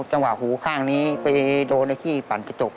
จังหวะหูข้างนี้ไปโดนในที่ปั่นกระจก